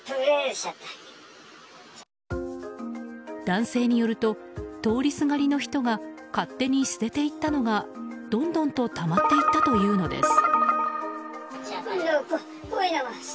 男性によると通りすがりの人が勝手に捨てていったのがどんどんとたまっていったというのです。